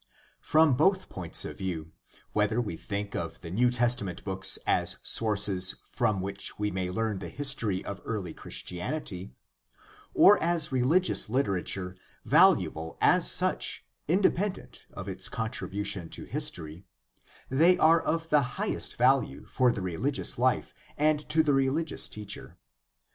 From both points of view, whether we think of the New Testament books as sources from which we may learn the history of early Christianity, or as religious literature valuable as such independent of its contribution to history, they are THE STUDY OF THE NEW TESTAMENT 167 of the highest value for the rehgious Hfe and to the rehgious teacher.'